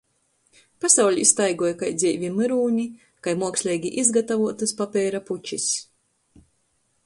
Pasaulī staigoj kai dzeivi myrūni, kai muoksleigi izgatavuotys papeira pučis.